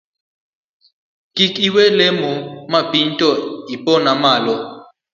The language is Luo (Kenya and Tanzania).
Kik iwe olemo mapiny to iponoma malo